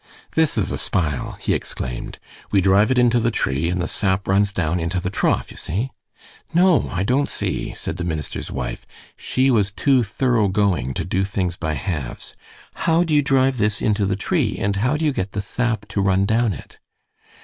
"This is a spile," he exclaimed. "We drive it into the tree, and the sap runs down into the trough, you see." "No, I don't see," said the minister's wife. She was too thoroughgoing to do things by halves. "How do you drive this into the tree, and how do you get the sap to run down it?"